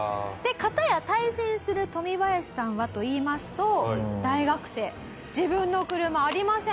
片や対戦するトミバヤシさんはといいますと大学生自分の車ありません。